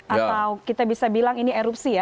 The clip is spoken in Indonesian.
atau kita bisa bilang ini erupsi ya